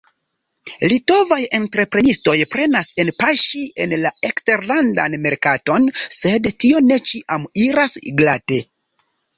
Litovaj entreprenistoj penas enpaŝi en la eksterlandan merkaton, sed tio ne ĉiam iras glate.